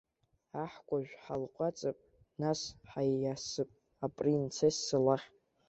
Аҳкәажә ҳалҟәаҵып, нас, ҳаиасып апринцесса лахь.